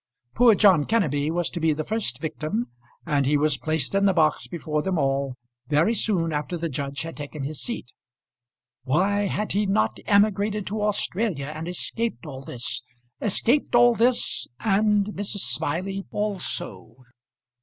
Poor John Kenneby was to be the first victim, and he was placed in the box before them all very soon after the judge had taken his seat. Why had he not emigrated to Australia, and escaped all this, escaped all this, and Mrs. Smiley also?